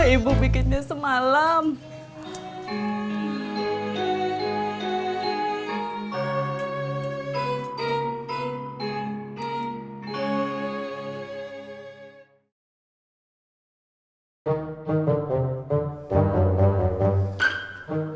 ibu bikinnya semalam